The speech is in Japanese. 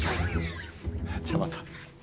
じゃあまた！